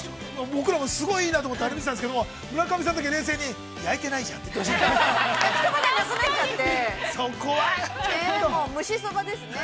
◆僕らも、すごいいいなと思ってあれを見てたんですけども村上さんだけ冷静に焼いてないじゃんって言ってましたね。